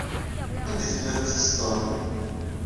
Anda ay telliḍ tettetteḍ-ten?